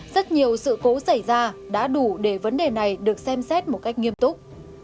rất nhiều sự cố xảy ra đã đủ để vấn đề này được xem xét một cách nghiêm túc